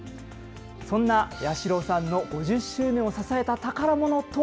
そんな八代さんの５０周年を支えた宝ものとは。